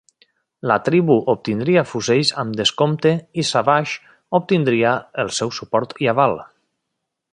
La tribu obtindria fusells amb descompte i Savage obtindria el seu suport i aval.